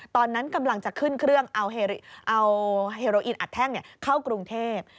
ตอนนั้นกำลังจะขึ้นเครื่องเอาเฮโรอินอัดแท่งเข้ากรุงเทพ